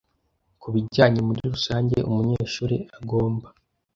kubijyanye muri rusange umunyeshuri agomba